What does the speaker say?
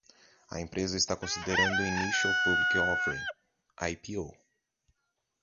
A empresa está considerando um Initial Public Offering (IPO).